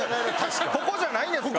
ここじゃないんですか？